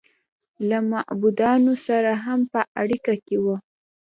له معبودانو سره هم په اړیکه کې و